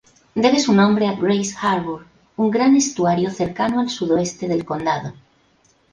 Debe su nombre a Grays Harbor, un gran estuario cercano al sudoeste del condado.